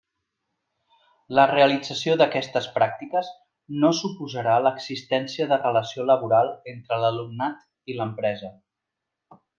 La realització d'aquestes pràctiques no suposarà l'existència de relació laboral entre l'alumnat i l'empresa.